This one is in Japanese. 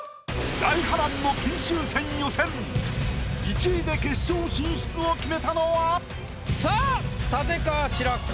大波乱の金秋戦予選１位で決勝進出を決めたのは⁉さあ立川志らくか？